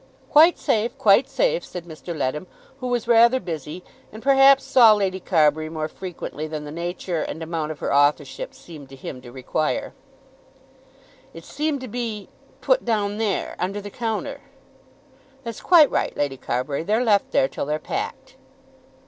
"Quite safe, quite safe," said Mr. Leadham, who was rather busy, and who perhaps saw Lady Carbury more frequently than the nature and amount of her authorship seemed to him to require. "It seemed to be, put down there, under the counter!" "That's quite right, Lady Carbury. They're left there till they're packed."